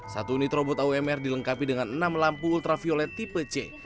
satu unit robot aumr dilengkapi dengan enam lampu ultraviolet tipe c